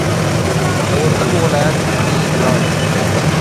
د وردګو ولایت مڼې راوړه.